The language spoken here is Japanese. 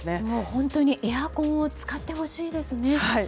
本当にエアコンを使ってほしいですね。